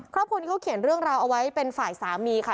ครอบครัวนี้เขาเขียนเรื่องราวเอาไว้เป็นฝ่ายสามีค่ะ